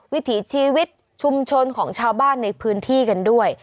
วิถีชีวิตชุมชนของชาวบ้านในพื้นที่กันด้วย